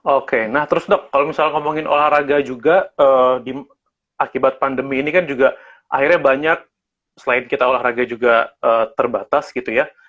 oke nah terus dok kalau misalnya ngomongin olahraga juga akibat pandemi ini kan juga akhirnya banyak selain kita olahraga juga terbatas gitu ya